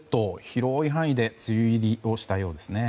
広い範囲で梅雨入りをしたようですね。